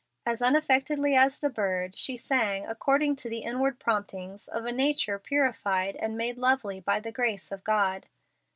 As unaffectedly as the bird she sang according to the inward promptings of a nature purified and made lovely by the grace of God.